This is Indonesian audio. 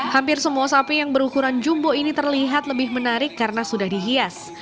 hampir semua sapi yang berukuran jumbo ini terlihat lebih menarik karena sudah dihias